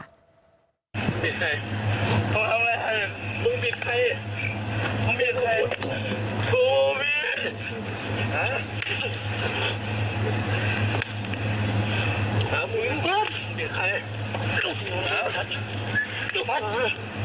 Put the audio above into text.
คลิปนี้นะคะได้จากเพื่อนของผู้เสียชีวิตในช่วงที่เกิดเหตุนะคะ